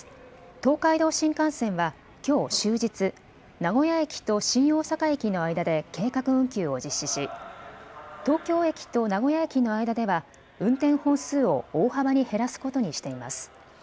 東海道新幹線はきょう終日、名古屋駅と新大阪駅の間で計画運休を実施し東京駅と名古屋駅の間では運転本数を大幅に減らすことにしています。